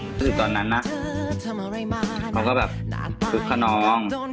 รู้สึกตอนนั้นนะเขาก็แบบฮึกข้าน้อง